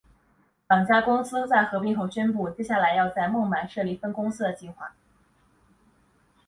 两家公司在合并后宣布接下来要在孟买设立分公司的计划。